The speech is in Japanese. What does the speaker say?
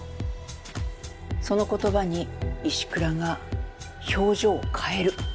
その言葉に石倉が表情を変える。